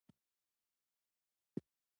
د میرمنو کار د جنډر برابري سبب دی.